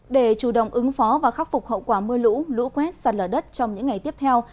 để chủ động ứng phó và khắc phục hậu quả mưa lũ lũ quét sạt lở đất trong những ngày tiếp theo